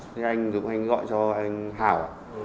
thế anh dũng anh gọi cho anh hảo ạ